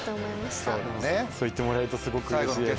そう言ってもらえるとすごくうれしいです。